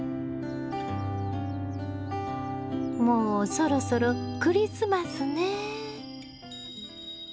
もうそろそろクリスマスね。